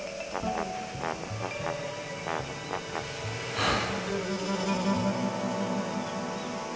はあ。